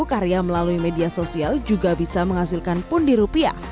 karya melalui media sosial juga bisa menghasilkan pundi rupiah